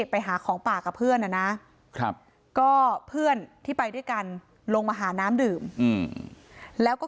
ไปหาของป่ากับเพื่อนนะนะก็เพื่อนที่ไปด้วยกันลงมาหาน้ำดื่มแล้วก็